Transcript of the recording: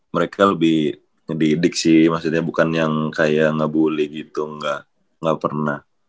mereka lebih didik sih maksudnya bukan yang kayak ngebully gitu gak pernah